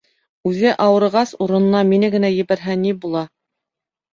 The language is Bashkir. Үҙе ауырығас, урынына мине генә ебәрһә ни була!